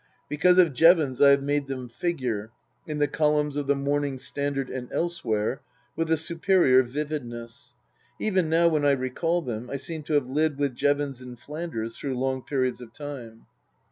Because of Jevons I have made them figure, in the columns of the Morning Standard and elsewhere, with a superior vividness ; even now when I recall them I seem to have lived with Jevons in Flanders through long periods of time.